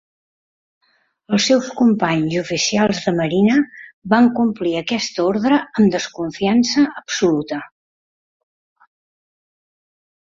Els seus companys oficials de marina van complir aquesta ordre amb desconfiança absoluta.